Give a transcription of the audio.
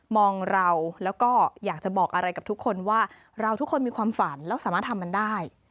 เราแล้วก็อยากจะบอกอะไรกับทุกคนว่าเราทุกคนมีความฝันแล้วสามารถทำมันได้